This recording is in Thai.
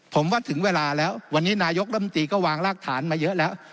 ผมว่าถึงเวลาแล้ววันนี้นายกรมตรีก็วางรากฐานมาเยอะแล้ว